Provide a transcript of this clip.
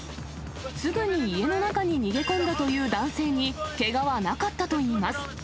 すぐに家の中に逃げ込んだという男性に、けがはなかったといいます。